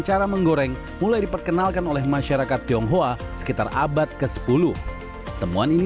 cara menggoreng mulai diperkenalkan oleh masyarakat tionghoa sekitar abad ke sepuluh temuan ini